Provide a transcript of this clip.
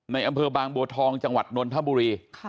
อำเภอบางบัวทองจังหวัดนนทบุรี